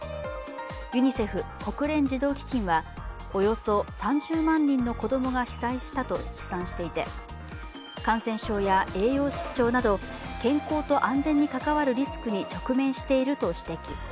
ユニセフ＝国連児童基金はおよそ３０万人の子供が被災したと試算していて感染症や栄養失調など健康と安全に関わるリスクに直面していると指摘。